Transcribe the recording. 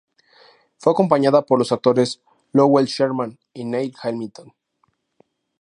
Fue acompañada por los actores Lowell Sherman y Neil Hamilton.